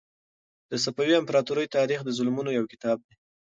د صفوي امپراطورۍ تاریخ د ظلمونو یو کتاب دی.